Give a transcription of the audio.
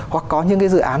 hoặc có những cái dự án